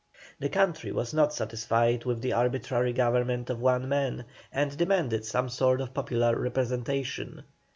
The country was not satisfied with the arbitrary government of one man, and demanded some sort of popular representation.